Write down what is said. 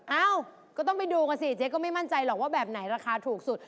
เอ้าก็ต้องไปดูกันสิเจ๊ก็ไม่มั่นใจหรอกว่าแบบไหนราคาถูกสุด